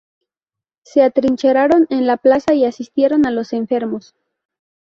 Se atrincheraron en la plaza y asistieron a los enfermos.